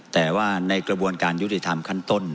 แต่ว่าในกระบวนการยุติธรรมขั้นต้น